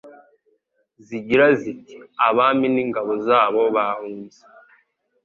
zigira ziti Abami n’ingabo zabo bahunze